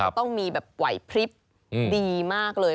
ต้องมีแบบไหวพลิบดีมากเลย